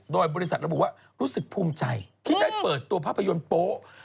โดยบริษัทระบุว่ารู้สึกภูมิใจที่ได้เปิดตัวภาพยนตร์โป๊ะ